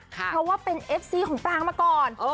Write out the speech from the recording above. เพราะว่าเป็นแฟนกันพ์ของปางกันมาก่อน